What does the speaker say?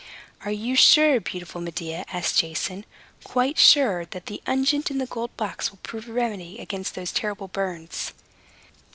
"Are you sure, beautiful Medea," asked Jason, "quite sure, that the unguent in the gold box will prove a remedy against those terrible burns?"